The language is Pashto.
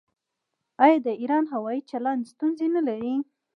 آیا د ایران هوايي چلند ستونزې نلري؟